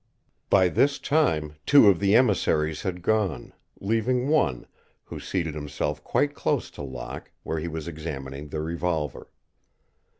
By this time two of the emissaries had gone, leaving one, who seated himself quite close to Locke, where he was examining the revolver.